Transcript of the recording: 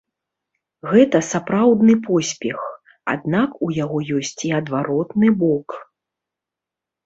Гэта сапраўдны поспех, аднак у яго ёсць і адваротны бок.